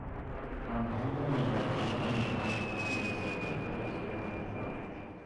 Anhängare menar att Sahlin var mycket betydelsefull för rollspelandet i landet.